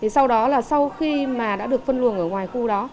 sau đó là sau khi mà đã được phân luồng ở ngoài khu đó